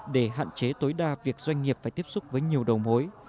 để hạn chế tối đa việc doanh nghiệp phải tiếp xúc với nhiều đầu mối